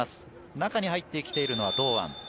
中に入ってきているのは堂安。